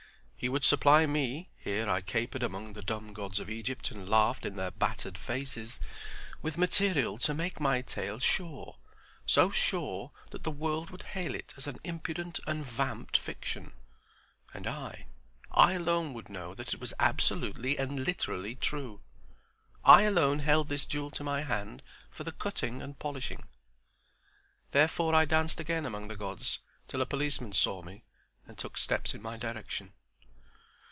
He would supply me—here I capered among the dumb gods of Egypt and laughed in their battered faces—with material to make my tale sure—so sure that the world would hail it as an impudent and vamped fiction. And I—I alone would know that it was absolutely and literally true. I alone held this jewel to my hand for the cutting and polishing. Therefore I danced again among the gods till a policeman saw me and took steps in my direction.